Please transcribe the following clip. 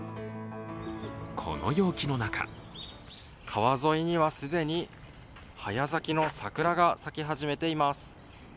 この陽気の中川沿いには既に早咲きの桜が咲き始めています。